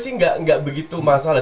tapi saya sih nggak begitu masalah